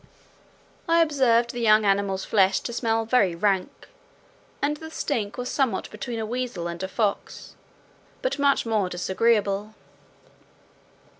I observed the young animal's flesh to smell very rank, and the stink was somewhat between a weasel and a fox, but much more disagreeable.